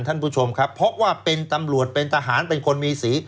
ท่านผู้ชมครับเพราะว่าเป็นตำรวจเป็นทหารเป็นคนมีสี